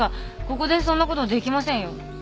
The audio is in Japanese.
ここでそんなことできませんよ。